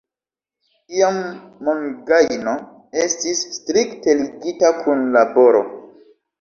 Iam mongajno estis strikte ligita kun laboro.